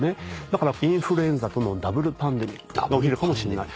だからインフルエンザとのダブルパンデミックが起きるかもしれない。